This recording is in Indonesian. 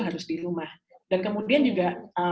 harus di rumah dan kemudian juga